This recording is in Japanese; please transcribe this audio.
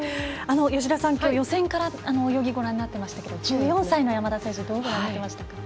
吉田さん、きょう、予選から泳ぎご覧になってましたが１４歳の山田選手どうご覧になりましたか？